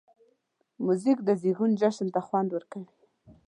موزیک د زېږون جشن ته خوند ورکوي.